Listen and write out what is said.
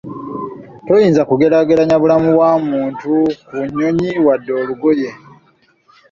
Toyinza kugeraageranya bulamu bwa muntu ku nnyonyi wadde olugoye.